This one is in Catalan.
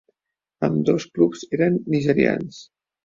Ambdós clubs eren nigerians.